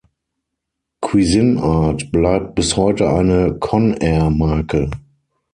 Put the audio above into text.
Cuisinart bleibt bis heute eine Conair-Marke.